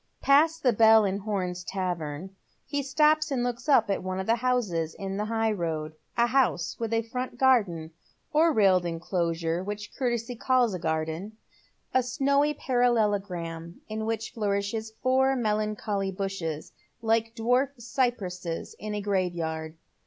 Past the Bell and Horns Tavern he stops and looks up at one of the houses in the high road, a house with a fi ont garden —or railed enclosure, which courtesy calls garden — a cowy The True SfetaV, i\ parallelogram, in which flourishes four melancholy bushes, like dwarf cypresses in a graveyard.